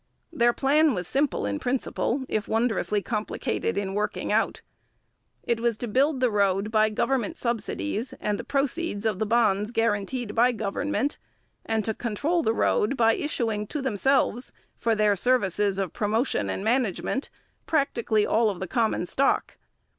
Their plan was simple in principle, if wondrously complicated in working out. It was to build the road by government subsidies and the proceeds of the bonds guaranteed by government, and to control the road by issuing to themselves, for their services of promotion and management, practically all the common stock.